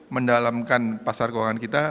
mendalamkan pasar keuangan kita